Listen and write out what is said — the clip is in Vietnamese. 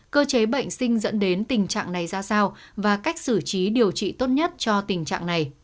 cơ chế bệnh sinh dẫn đến tình trạng này ra sao và cách xử trí điều trị tốt nhất cho tình trạng này